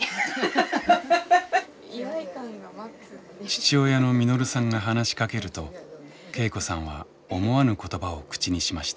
父親の實さんが話しかけると恵子さんは思わぬ言葉を口にしました。